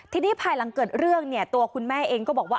ทีนี้ภายหลังเกิดเรื่องเนี่ยตัวคุณแม่เองก็บอกว่า